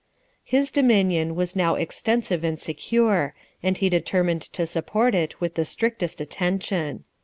His dominion was now extensive and secure, and he determined to support it with the strictest attention.